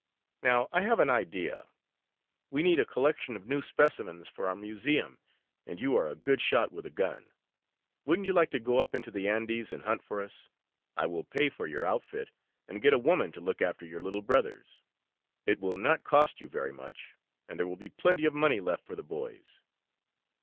Now, I have an idea. We need a collection of new specimens for our museum, and you are a good shot with a gun. Wouldn't you like to go up into the Andes and hunt for us? I will pay for your outfit, and get a woman to look after your little brothers. It will not cost you very much, and there will be plenty of money left for the boys."